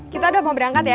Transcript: kita udah mau berangkat ya